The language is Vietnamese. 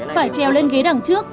phải treo lên ghế đằng trước